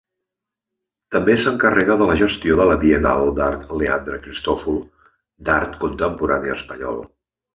També s'encarrega de la gestió de la Biennal d'Art Leandre Cristòfol, d'art contemporani espanyol.